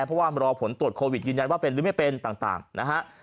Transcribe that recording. เพราะว่ารอผลตรวจโควิดยืนยันว่าเป็นหรือไม่เป็นต่างนะฮะ